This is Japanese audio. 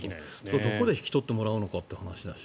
どこで引き取ってもらうのかという話だし。